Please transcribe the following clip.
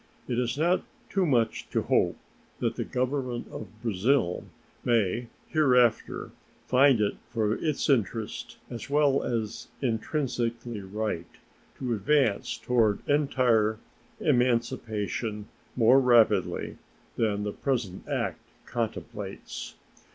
It is not too much to hope that the Government of Brazil may hereafter find it for its interest, as well as intrinsically right, to advance toward entire emancipation more rapidly than the present act contemplates.